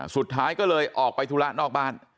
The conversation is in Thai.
สุดท้ายก็เลยออกไปธุระนอกบ้าน